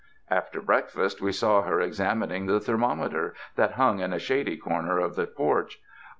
After breakfast, we saw her examining the ther mometer that hung in a shady corner of the porch.